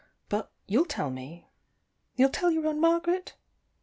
But you'll tell me you'll tell your own Margaret?